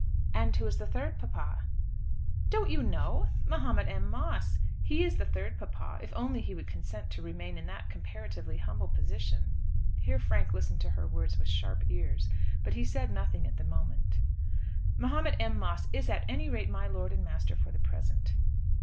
"And who is the third papa?" "Don't you know? Mahomet M. Moss. He is the third papa if only he would consent to remain in that comparatively humble position." Here Frank listened to her words with sharp ears, but he said nothing at the moment. "Mahomet M. Moss is at any rate my lord and master for the present."